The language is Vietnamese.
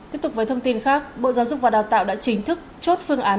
tiếp tục với thông tin khác bộ giáo dục và đào tạo đã chính thức chốt phương án